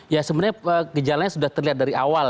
ya sebenarnya gejalanya sudah terlihat dari awal